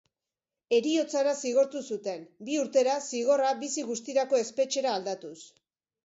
Heriotzara zigortu zuten, bi urtera zigorra bizi guztirako espetxera aldatuz.